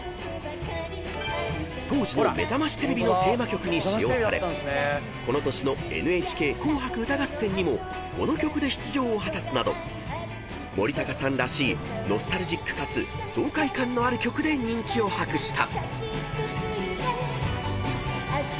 ［当時の『めざましテレビ』のテーマ曲に使用されこの年の『ＮＨＫ紅白歌合戦』にもこの曲で出場を果たすなど森高さんらしいノスタルジックかつ爽快感のある曲で人気を博した］